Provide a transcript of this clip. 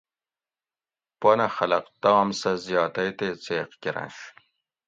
پونہ خلق تام سہ زیاتئ تے څیق کرںش